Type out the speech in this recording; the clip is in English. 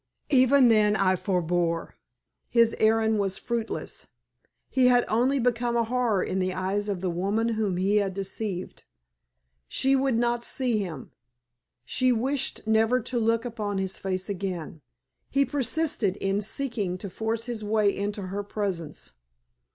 Even then I forbore. His errand was fruitless. He had only become a horror in the eyes of the woman whom he had deceived. She would not see him, she wished never to look upon his face again. He persisted in seeking to force his way into her presence.